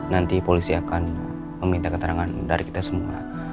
nanti polisi akan meminta keterangan dari kita semua